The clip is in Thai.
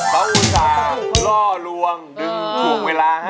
อุตส่าห์ล่อลวงดึงถ่วงเวลาให้